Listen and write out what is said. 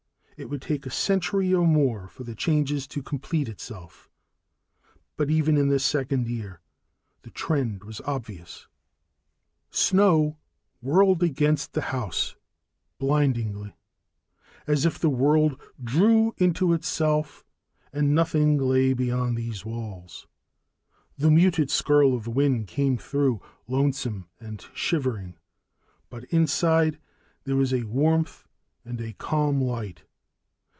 It would take a century or more for the change to complete itself. But even in the second year, the trend was obvious. Snow whirled against the house, blindingly, as if the world drew into itself and nothing lay beyond these walls. The muted skirl of wind came through, lonesome and shivering. But inside, there was warmth and a calm light.